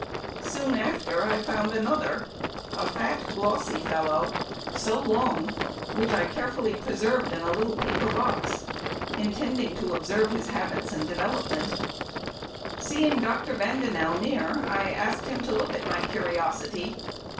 Soon after I found another, a fat, glossy fellow, so long , which I carefully preserved in a little paper box, intending to observe his habits and development. Seeing Dr. Bandinel near, I asked him to look at my curiosity.